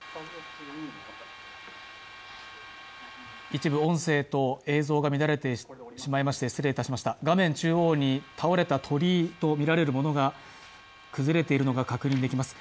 一部音声と映像が乱れてしまいまして、失礼いたしました、画面中央に倒れた鳥居とみられるものが崩れているのが確認できます。